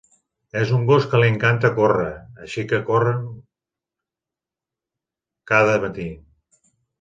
És un gos que li encanta córrer, així que corren cada matí.